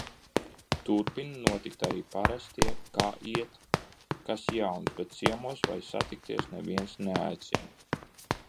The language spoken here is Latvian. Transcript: Turpina notikt arī parastie kā iet? Kas jauns?, bet ciemos vai satikties neviens neaicina.